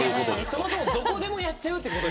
そもそもどこでもやっちゃうってこと。